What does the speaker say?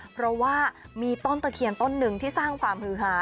เพราะว่ามีต้นตะเคียนต้นหนึ่งที่สร้างความฮือฮา